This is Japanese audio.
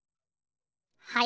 はい。